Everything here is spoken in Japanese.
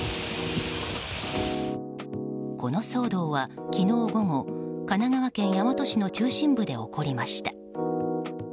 この騒動は、昨日午後神奈川県大和市の中心部で起こりました。